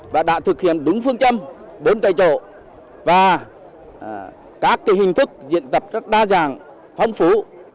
và đã thực hiện đúng phương châm đốn cây trộ và các hình thức diễn tập rất đa dạng phong phú